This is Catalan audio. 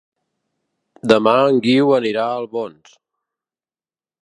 Demà en Guiu anirà a Albons.